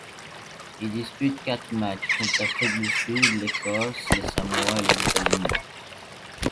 Il dispute quatre matchs, contre l'Afrique du Sud, l'Écosse, les Samoa et les États-Unis.